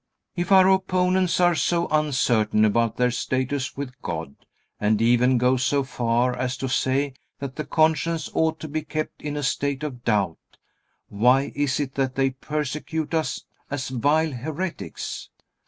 If our opponents are so uncertain about their status with God, and even go so far as to say that the conscience ought to be kept in a state of doubt, why is it that they persecute us as vile heretics?